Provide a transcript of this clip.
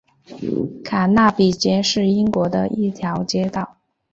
卡纳比街是英国的一条街道。